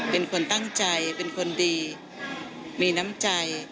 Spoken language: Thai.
เป็นคนตั้งใจเป็นคนดีมีน้ำใจ